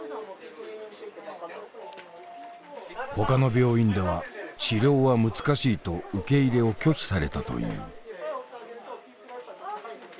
ほかの病院では治療は難しいと受け入れを拒否されたという。